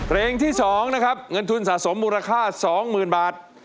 เพลงที่๒นะครับเงินทุนสะสมมูลค่า๒๐๐๐บาท